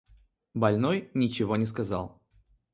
Больной ничего не сказал.